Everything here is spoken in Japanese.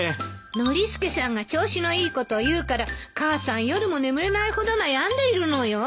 ノリスケさんが調子のいいことを言うから母さん夜も眠れないほど悩んでいるのよ。